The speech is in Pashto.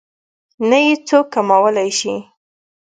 نه يې څوک کمولی شي.